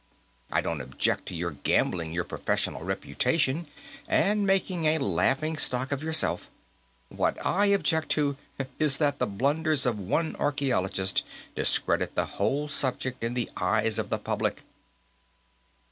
I don't object to your gambling your professional reputation and making a laughing stock of yourself; what I object to is that the blunders of one archaeologist discredit the whole subject in the eyes of the public."